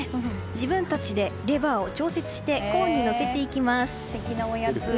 自分たちでレバーを調節してコーンにのせていきます。